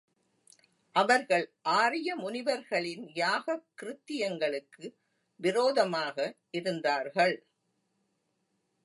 அவர்கள் ஆரிய முனிவர்களின் யாகக் கிருத்தியங்களுக்கு விரோதமாக இருந்தார்கள்.